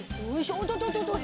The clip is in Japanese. おととと。